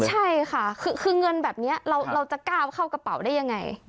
ใช่ค่ะคือเงินแบบนี้เราจะก้าวเข้ากระเป๋าได้ยังไง